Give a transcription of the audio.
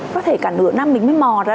có thể cả nửa năm mình mới mò ra